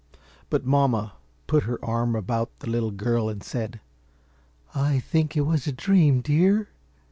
But Mamma put her arm about the little girl and said, "I think it was a dream, dear.